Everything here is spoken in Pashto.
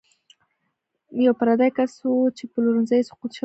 یو پردی کس و چې پلورنځی یې سقوط شوی و.